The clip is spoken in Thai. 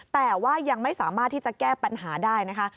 แต่ว่ายังไม่สามารถที่จะแก้ปัญหาได้นะคะ